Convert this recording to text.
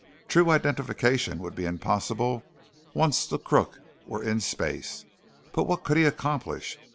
True identification would be impossible once the crook were in space. But what could he accomplish?